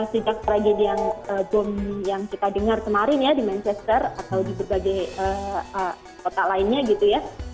sejak tragedian bom yang kita dengar kemarin ya di manchester atau di berbagai kota lainnya gitu ya